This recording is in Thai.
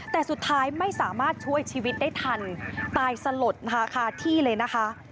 แต่สุดท้ายไม่สามารถช่วยชีวิตได้ทันตายสลดนะคะคาที่เลยนะคะ